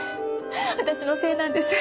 私のせいなんです。